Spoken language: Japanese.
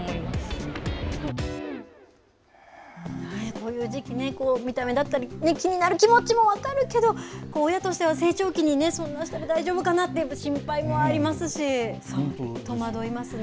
こういう時期ね、見た目だったり、気になる気持ちも分かるけど、親としては成長期にね、そんなしても大丈夫かなって心配もありますし、戸惑いますね。